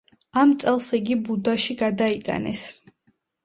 ამ წელს იგი ბუდაში გადაიტანეს.